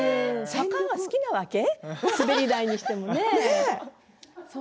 坂が好きなわけ滑り台にしてもね。